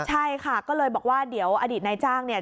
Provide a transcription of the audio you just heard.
ใช่ค่ะก็เลยบอกว่าเดี๋ยวอดีตนายจ้างเนี่ย